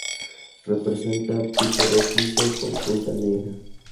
Presenta pico rojizo con punta negra.